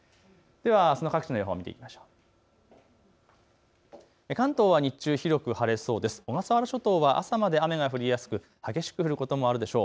ではあすの各地の予報を見ていきましょう。